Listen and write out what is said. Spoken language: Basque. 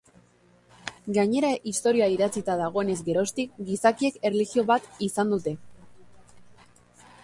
Gainera, historia idatzita dagoenez geroztik, gizakiek erlijio bat izan dute.